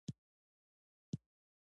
آیا پښتونولي د شرافت درس نه دی؟